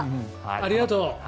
ありがとう。